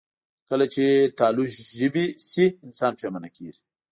کله چې تالو ژبې شي، انسان پښېمانه کېږي